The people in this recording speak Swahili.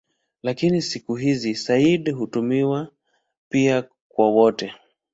Lakini siku hizi "sayyid" hutumiwa pia kwa wote.